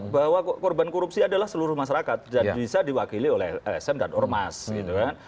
bahwa korban korupsi adalah seluruh masyarakat dan bisa diwakili oleh lsm dan ormas gitu kan